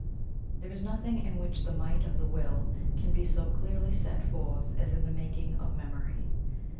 There is nothing in which the might of the Will can be so clearly set forth as in the making of memory.